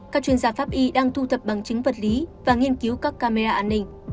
các chuyên gia pháp y đang thu thập bằng chứng vật lý và nghiên cứu các camera an ninh